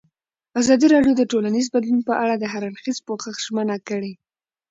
ازادي راډیو د ټولنیز بدلون په اړه د هر اړخیز پوښښ ژمنه کړې.